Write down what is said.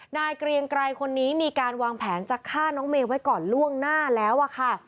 เกรียงไกรคนนี้มีการวางแผนจะฆ่าน้องเมย์ไว้ก่อนล่วงหน้าแล้วอะค่ะ